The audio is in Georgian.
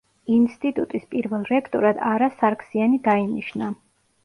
ინსტიტუტის პირველ რექტორად არა სარგსიანი დაინიშნა.